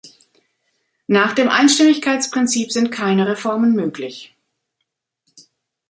Nach dem Einstimmigkeitsprinzip sind keine Reformen möglich.